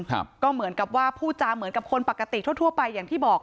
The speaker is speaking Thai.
ก็เหมือนกับว่าพูดจาเหมือนกับคนปกติทั่วทั่วไปอย่างที่บอก